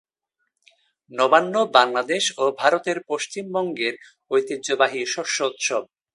নবান্ন বাংলাদেশ ও ভারতের পশ্চিমবঙ্গের ঐতিহ্যবাহী শস্যোৎসব।